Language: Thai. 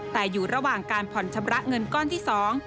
แต่อยู่ระหว่างการผ่อนชำระเงินก้อนที่สอง